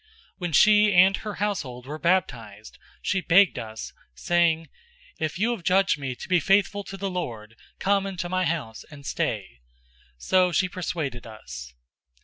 016:015 When she and her household were baptized, she begged us, saying, "If you have judged me to be faithful to the Lord, come into my house, and stay." So she persuaded us.